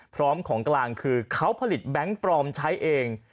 พร้อมของกลางคือเขาผลิตแบงค์ปลอมใช้เอง